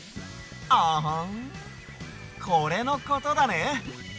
アハンこれのことだね？